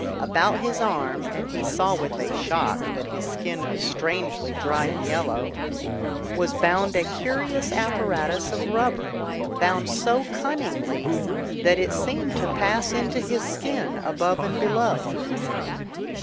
About his arm and he saw with a shock that his skin was strangely dry and yellow was bound a curious apparatus of rubber, bound so cunningly that it seemed to pass into his skin above and below.